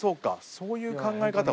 そういう考え方も。